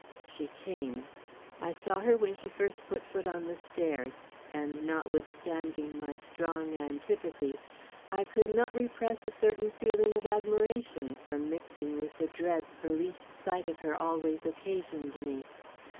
She came. I saw her when she first put foot on the stairs, and notwithstanding my strong antipathy, I could not repress a certain feeling of admiration from mixing with the dread the least sight of her always occasioned me.